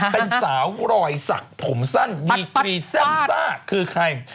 เป็นสาวรอยสักผมสั้นดีกรีแซ่มซ่าคือใคร